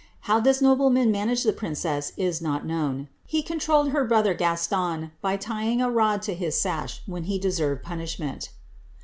How this nobleman managed the princess is not known : he controlled her brother Gaston, by tying a rod to his 8a.«h when he deserved punishment.